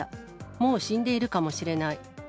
もう死んでいるかもしれない。